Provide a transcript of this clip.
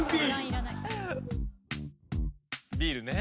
ビールね。